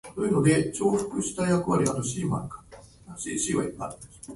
お風呂がめんどくさい